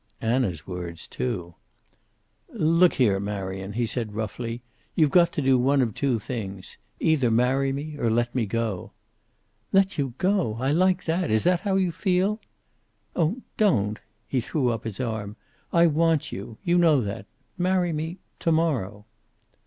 Anna's words, too! "Look here, Marion," he said, roughly, "you've got to do one of two things. Either marry me or let me go." "Let you go! I like that. If that is how you feel?" "Oh don't." He threw up his arm. "I want you. You know that. Marry me to morrow."